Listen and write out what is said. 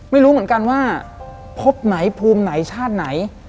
ไม่รู้เหมือนกันว่าพบไหนภูมิไหนชาติไหน